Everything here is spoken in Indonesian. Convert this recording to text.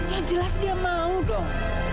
yang jelas dia mau dong